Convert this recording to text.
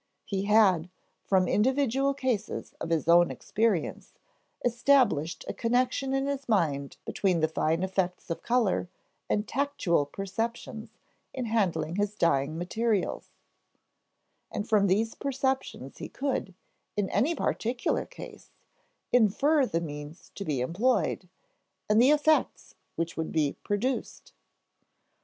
He had, from individual cases of his own experience, established a connection in his mind between fine effects of color and tactual perceptions in handling his dyeing materials; and from these perceptions he could, in any particular case, infer the means to be employed and the effects which would be produced."